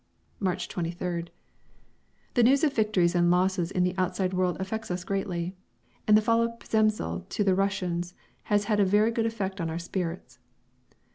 March 23rd. The news of victories and losses in the outside world affects us greatly, and the fall of Przemysl to the Russians has had a very good effect on our spirits.